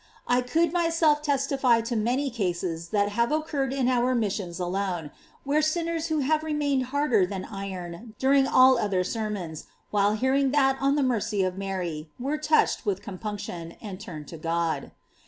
I could myself testify to many cases that have occurred in our missions alone, where sinners who have remained harder than iron during all other sermons, while hearing that on the mercy of Mary, were touched with com punction, and turned to God.